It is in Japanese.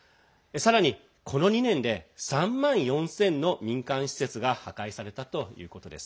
さらに、この２年で３万４０００の民間施設が破壊されたということです。